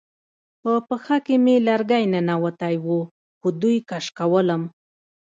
په پښه کې مې لرګی ننوتی و خو دوی کش کولم